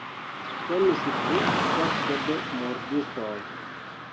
Temis pri sekto de murdistoj.